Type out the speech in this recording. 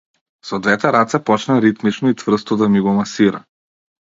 Со двете раце почна ритмично и цврсто да ми го масира.